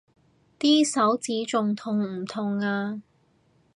啲手指仲痛唔痛啊？